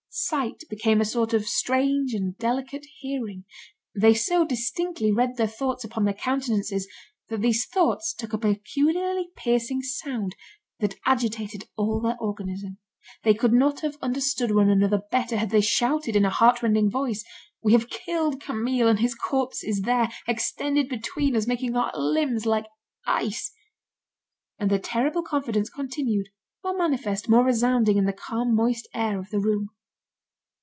Sight became a sort of strange and delicate hearing. They so distinctly read their thoughts upon their countenances, that these thoughts took a peculiarly piercing sound that agitated all their organism. They could not have understood one another better, had they shouted in a heartrending voice: "We have killed Camille, and his corpse is there, extended between us, making our limbs like ice." And the terrible confidence continued, more manifest, more resounding, in the calm moist air of the room.